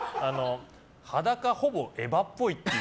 裸がほぼエヴァっぽいっていう。